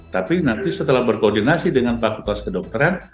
tapi nanti setelah berkoordinasi dengan fakultas kedokteran